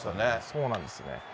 そうなんですよね。